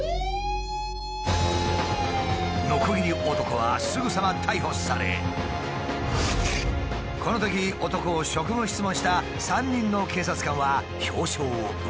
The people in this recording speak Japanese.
ノコギリ男はすぐさま逮捕されこのとき男を職務質問した３人の警察官は表彰を受けた。